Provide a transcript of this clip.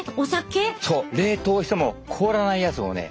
そう冷凍しても凍らないやつをね。